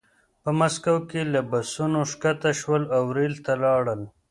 په مسکو کې له بسونو ښکته شول او ریل ته لاړل